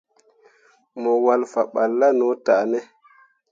Mo walle fah balla no tah ne ?